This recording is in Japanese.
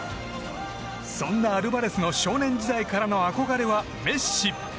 そんなアルバレスの少年時代からの憧れは、メッシ。